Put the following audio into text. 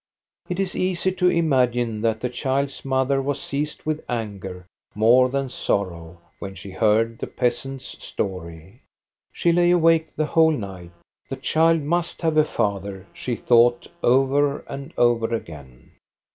It is easy to imagine that the child's mother was seized with anger more than sorrow, when she heard the peasant's story. She lay awake the whole night. The child must have a father, she thought over and over again.